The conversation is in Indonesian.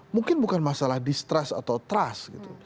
mungkin bukan masalah distrust atau trust gitu